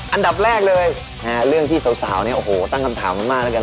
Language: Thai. อันดับแรกเลยเรื่องที่สาวเนี่ยโอ้โหตั้งคำถามกันมากแล้วกัน